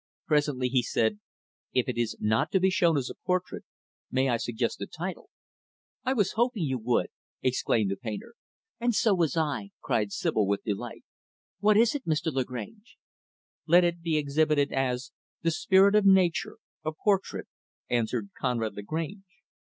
Presently, he said, "If it is not to be shown as a portrait, may I suggest a title?" "I was hoping you would!" exclaimed the painter. "And so was I," cried Sibyl, with delight. "What is it, Mr. Lagrange?" "Let it be exhibited as 'The Spirit of Nature A Portrait'," answered Conrad Lagrange.